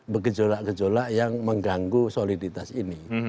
bergejolak gejolak yang mengganggu soliditas ini